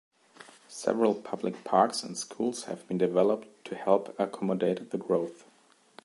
Several public parks and schools have been developed to help accommodate the growth.